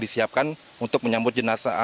disiapkan untuk menyambut jenazah